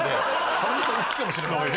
原西さんが好きかもしれませんね。